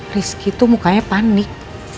rizky tuh mukanya panik